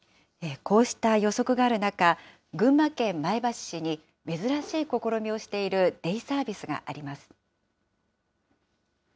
こうした予測がある中、群馬県前橋市に珍しい試みをしているデイサービスがあります。